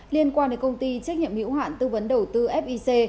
liên quan đến công ty trách nhiệm hữu hạn tư vấn đầu tư fic